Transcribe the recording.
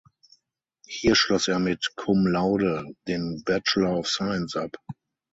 Hier schloss er mit "cum laude" den Bachelor of Science ab.